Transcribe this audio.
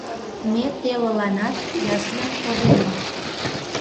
— Ме телыланат ясльым кодена.